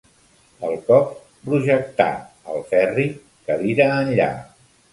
El cop projectà el Ferri cadira enllà.